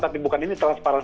tapi bukan ini transparan